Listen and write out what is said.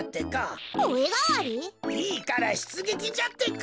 いいからしゅつげきじゃってか！